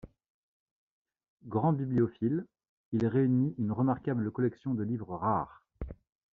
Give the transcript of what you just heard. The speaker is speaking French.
Grand bibliophile, il réunit une remarquable collection de livres rares.